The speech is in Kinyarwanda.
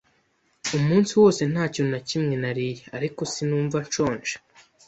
Umunsi wose nta kintu na kimwe nariye, ariko sinumva nshonje.